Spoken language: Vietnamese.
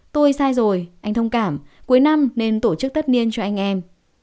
tôi sai rồi anh thông cảm cuối năm nên tổ chức tất niên cho anh em